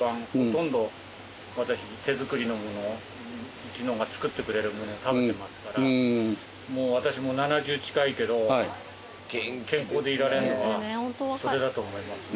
うちのが作ってくれるもの食べてますからもう私も７０近いけど健康でいられるのはそれだと思いますね。